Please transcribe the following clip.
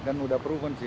dan udah proven sih